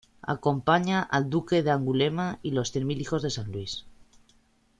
Acompaña al duque de Angulema y los Cien Mil Hijos de San Luis.